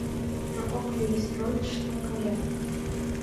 Но ок лий: стройышто кая...